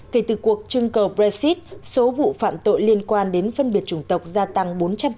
kể từ cuộc trưng cầu brexit số vụ phạm tội liên quan đến phân biệt chủng tộc gia tăng bốn trăm linh